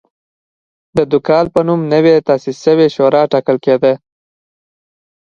د دوکال په نوم نوې تاسیس شوې شورا ټاکل کېده